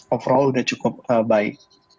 overall sudah cukup baik